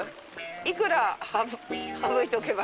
いくら省いとけば。